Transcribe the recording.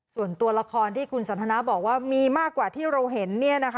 ส่วนตัวละครที่คุณสันทนาบอกว่ามีมากกว่าที่เราเห็น